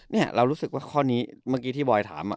เนี่ยเรารู้สึกว่าข้อนี้เมื่อกี้ที่บอยถาม